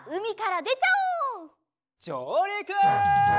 じょうりく！